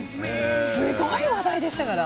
すごい話題でしたから。